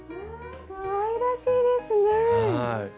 うわぁかわいらしいですね！